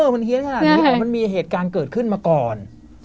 มันเฮียนขนาดนี้มันมีเหตุการณ์เกิดขึ้นมาก่อน